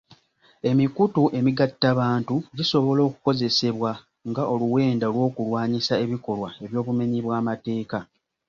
Emikutu emigattabantu gisobola okukozesebwa nga oluwenda olw'okulwanyisa ebikolwa by'obumenyi bw'amateeka.